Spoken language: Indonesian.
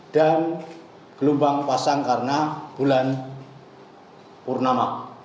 dan gelombang pasang karena bulan pernam